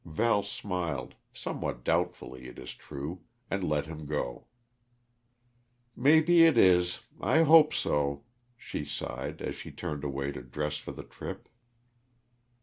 Val smiled somewhat doubtfully, it is true and let him go. "Maybe it is I hope so," she sighed, as she turned away to dress for the trip.